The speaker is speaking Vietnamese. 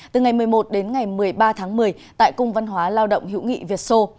từ ngày một mươi một đến ngày một mươi ba tháng một mươi tại cung văn hóa lao động hữu nghị việt sô